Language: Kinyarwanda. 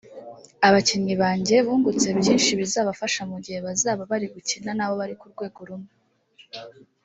Abakinnyi banjye bungutse byinshi bizabafasha mu gihe bazaba bari gukina n’abo bari ku rwego rumwe